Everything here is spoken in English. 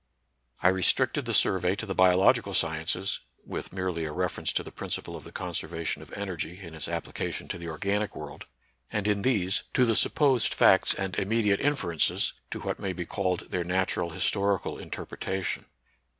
I restricted the survey to the biological sciences (with merely a reference to the principle of the conservation of energy in its application to the organic world), and in these to the supposed facts and immediate inferences, to what may be called their natural historical interpretation.